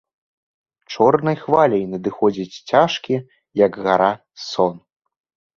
Чорнай хваляй надыходзіць цяжкі, як гара, сон.